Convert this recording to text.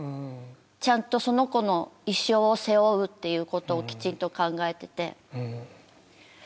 ちゃんとその子の。っていうことをきちんと考えてて。